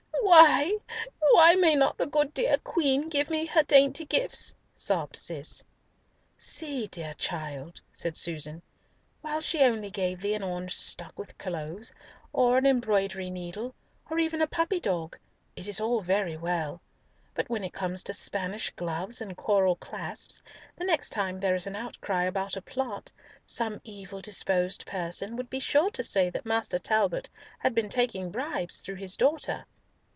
"Why—why may not the dear good Queen give me her dainty gifts?" sobbed Cis. "See, dear child," said Susan, "while she only gave thee an orange stuck with cloves, or an embroidery needle, or even a puppy dog, it is all very well; but when it comes to Spanish gloves and coral clasps, the next time there is an outcry about a plot, some evil disposed person would be sure to say that Master Richard Talbot had been taking bribes through his daughter."